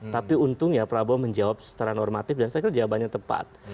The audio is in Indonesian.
tapi untung ya prabowo menjawab secara normatif dan saya kira jawabannya tepat